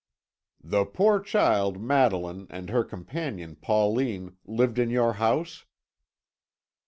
"The poor child, Madeline, and her companion, Pauline, lived in your house?"